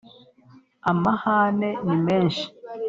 amahane ni menshi